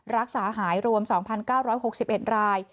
รักษาหายรวม๒๙๖๑ราย